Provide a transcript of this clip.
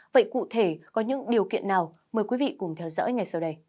vậy cụ thể có những điều kiện nào mời quý vị cùng theo dõi ngay sau đây